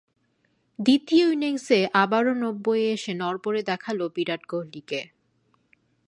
দ্বিতীয় ইনিংসেও আবারও নব্বইয়ে এসে নড়বড়ে দেখাল বিরাট কোহলিকে।